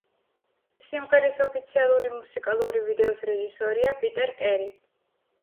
სიმღერის ოფიციალური მუსიკალური ვიდეოს რეჟისორია პიტერ კერი.